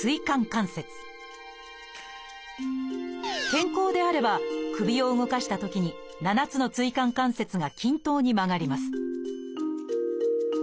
健康であれば首を動かしたときに７つの椎間関節が均等に曲がります